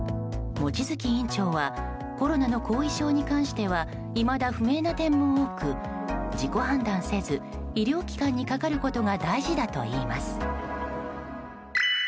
望月院長はコロナの後遺症に関してはいまだ不明な点も多く自己判断せず医療機関にかかることが大事だといいます。